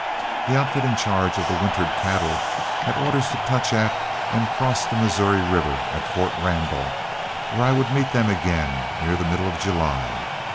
The outfit in charge of the wintered cattle had orders to touch at and cross the Missouri River at Fort Randall, where I would meet them again near the middle of July.